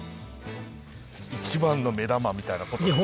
一番の目玉みたいなことですか？